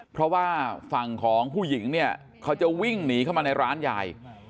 เพราะว่าฝั่งของผู้หญิงเนี่ยเขาจะวิ่งหนีเข้ามาในร้านยาย